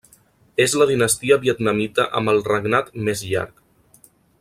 És la dinastia Vietnamita amb el regnat més llarg.